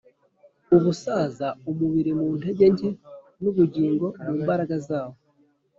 ubusaza: umubiri mu ntege nke n'ubugingo mu mbaraga zawo!